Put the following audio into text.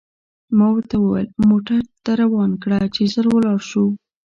ما ورته وویل: موټر ته در روان کړه، چې ژر ولاړ شو.